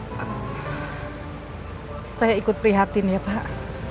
saya ikut prihatin ya pak